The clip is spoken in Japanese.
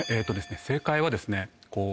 正解はですね